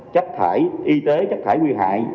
chắc thải y tế chắc thải nguy hại